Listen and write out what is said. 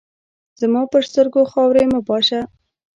زما پر سترګو خاوري مه پاشه !